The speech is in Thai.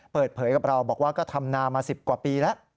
เปิดเผยกับเราบอกว่าก็ทำนามา๑๐กว่าปีแล้ว